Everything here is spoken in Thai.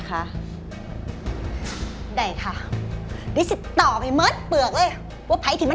สามารถรับชมได้ทุกวัย